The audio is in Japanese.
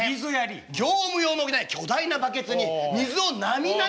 業務用のね巨大なバケツに水をなみなみ。